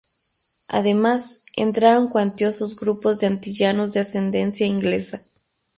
Además, entraron cuantiosos grupos de antillanos de ascendencia inglesa.